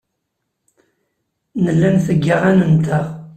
Nella netteg aɣan-nteɣ.